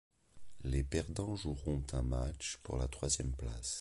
Les perdants joueront un match pour la troisième place.